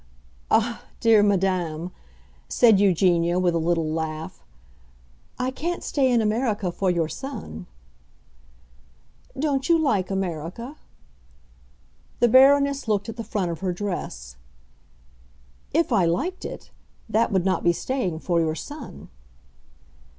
"Ah, dear madam," said Eugenia, with a little laugh, "I can't stay in America for your son!" "Don't you like America?" The Baroness looked at the front of her dress. "If I liked it—that would not be staying for your son!"